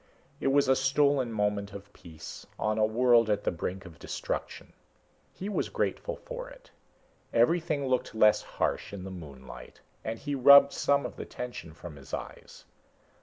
It was a stolen moment of peace on a world at the brink of destruction. He was grateful for it. Everything looked less harsh in the moonlight, and he rubbed some of the tension from his eyes.